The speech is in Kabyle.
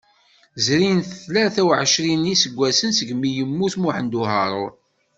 Zrin tlata uɛecrin n yiseggasen segmi yemmut Muḥemmed Uharun.